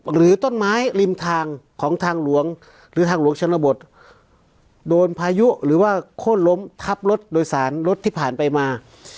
หรือต้นไม้ริมทางของทางหลวงหรือทางหลวงชนบทโดนพายุหรือว่าโค้นล้มทับรถโดยสารรถที่ผ่านไปมา